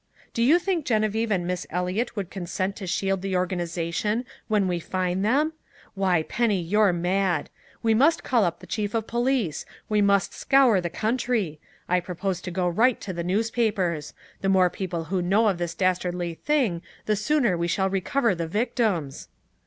"Do you think Geneviève and Miss Eliot would consent to shield the organization when we find them? Why, Penny, you're mad! We must call up the chief of police! We must scour the country! I propose to go right to the newspapers! The more people who know of this dastardly thing the sooner we shall recover the victims!"